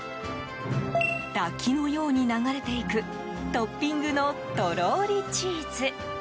滝のように流れていくトッピングのとろーりチーズ。